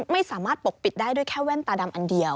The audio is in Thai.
ไม่สามารถปกปิดได้ด้วยแค่แว่นตาดำอันเดียว